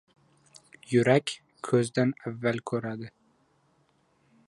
• Yurak ko‘zdan avval ko‘radi.